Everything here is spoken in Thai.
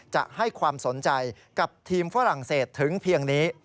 จะให้ความสนใจกับทีมฝรั่งเศสถึงเพียงนี้